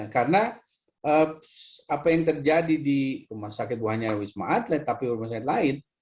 karena apa yang terjadi di rumah sakit darurat wisma atlet tapi di rumah sakit lain